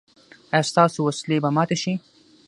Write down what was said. ایا ستاسو وسلې به ماتې شي؟